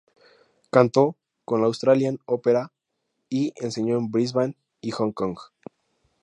Cantó con la "Australian Opera" y enseñó en Brisbane y Hong Kong.